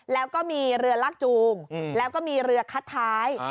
แล้วก็มีเรือลากจูงแล้วก็มีเรือคัดท้าย